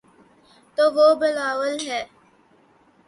تو وہ بلاول ہیں۔